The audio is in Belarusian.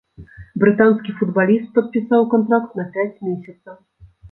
Брытанскі футбаліст падпісаў кантракт на пяць месяцаў.